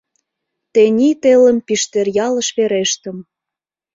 Тений телым Пиштеръялыш верештым.